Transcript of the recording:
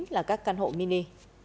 là các căn hộ mini